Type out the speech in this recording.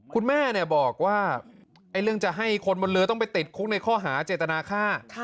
คุณแม่บอกว่าเรื่องจะให้คนบนเรือต้องไปติดคุกในข้อหาเจตนาฆ่า